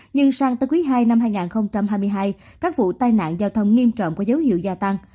nhưng sang tới quý ii năm hai nghìn hai mươi hai các vụ tai nạn giao thông nghiêm trọng có dấu hiệu gia tăng